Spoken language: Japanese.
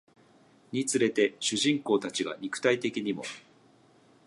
につれて主人公たちが肉体的にも